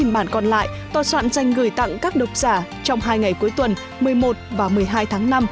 bốn bản còn lại tòa soạn dành gửi tặng các độc giả trong hai ngày cuối tuần một mươi một và một mươi hai tháng năm